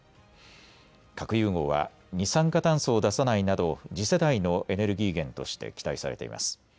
核融合は二酸化炭素を出さないなど次世代のエネルギー源として期待されています。